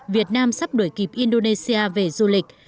việt nam sắp đổi kịp indonesia về du lịch